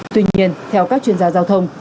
tuy nhiên theo các chuyên gia giao thông